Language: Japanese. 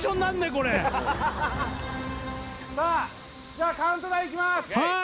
これさあじゃあカウントダウンいきますはい